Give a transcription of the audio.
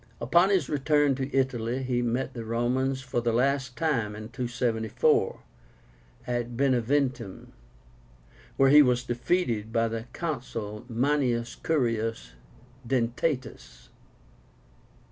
Upon his return to Italy he met the Romans for the last time in 274, near BENEVENTUM, where he was defeated by the Consul MANIUS CURIOUS DENTÁTUS.